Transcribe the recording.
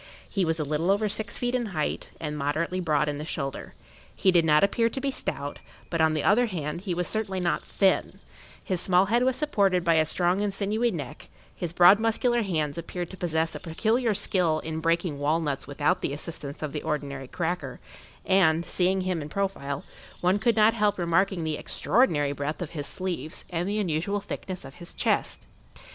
He was a little over six feet in height, and moderately broad in the shoulder; he did not appear to be stout, but, on the other hand, he was certainly not thin; his small head was supported by a strong and sinewy neck; his broad muscular hands appeared to possess a peculiar[Pg 7] skill in breaking walnuts without the assistance of the ordinary cracker, and, seeing him in profile, one could not help remarking the extraordinary breadth of his sleeves, and the unusual thickness of his chest.